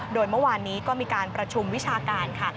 โดยเมื่อวานนี้ก็มีการประชุมวิชาการค่ะ